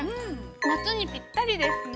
夏にぴったりですね。